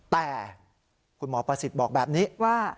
แต่คุณหมอประสิทธิ์บอกแบบนี้ว่า